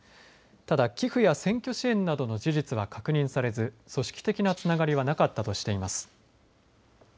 ただ、寄付や選挙支援などの事実は確認されず組織的なつながりはなかったとしています。